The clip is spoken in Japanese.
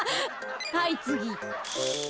はいつぎ。